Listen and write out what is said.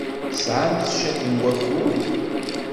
Tesɛamt cwiṭ n wakud?